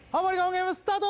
ゲームスタート